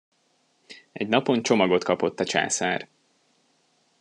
Egy napon csomagot kapott a császár.